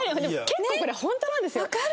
結構これホントなんですよ。わかる！